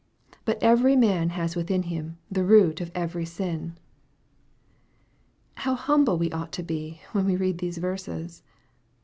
But every man has within him the root of every sin. How humble we ought to be, when we read these verses